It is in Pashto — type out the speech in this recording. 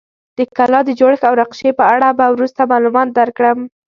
د کلا د جوړښت او نقشې په اړه به وروسته معلومات درکړم.